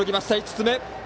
５つ目。